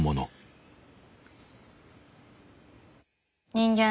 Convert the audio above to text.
人間